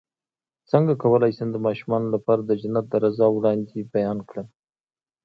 څنګه کولی شم د ماشومانو لپاره د جنت د رضا وړاندې بیان کړم